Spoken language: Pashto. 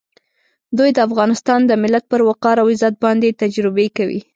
دوی د افغانستان د ملت پر وقار او عزت باندې تجربې کوي.